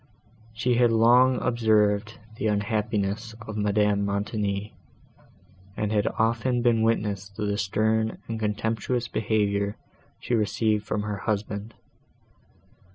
She had long observed the unhappiness of Madame Montoni, and had often been witness to the stern and contemptuous behaviour she received from her husband.